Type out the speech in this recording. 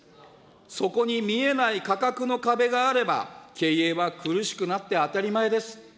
そこに見えない価格の壁があれば、経営は苦しくなって当たり前です。